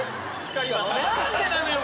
何でなのよ